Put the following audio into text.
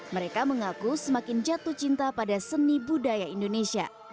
mereka mengaku semakin jatuh cinta pada seni budaya indonesia